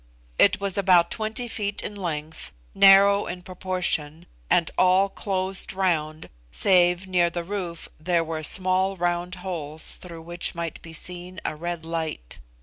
It was about twenty feet in length, narrow in proportion, and all closed round, save, near the roof, there were small round holes through which might be seen a red light.